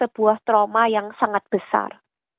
sebuah trauma yang sangat besar